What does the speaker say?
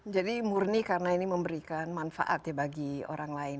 jadi murni karena ini memberikan manfaat ya bagi orang lain